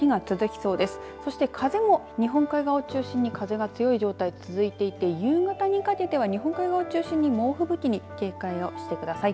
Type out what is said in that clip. そして風も、日本海側、中心に風が強い状態、続いていて夕方にかけては日本海側を中心に猛吹雪に警戒をしてください。